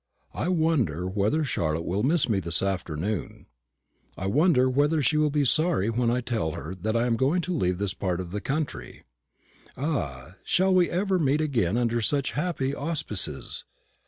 I wonder whether Charlotte will miss me this afternoon. I wonder whether she will be sorry when I tell her that I am going to leave this part of the country. Ah, shall we ever meet again under such happy auspices?